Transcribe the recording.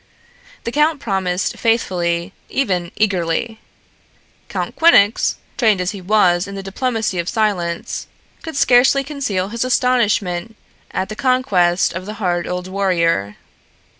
The count promised faithfully, even eagerly. Colonel Quinnox, trained as he was in the diplomacy of silence, could scarcely conceal his astonishment at the conquest of the hard old warrior.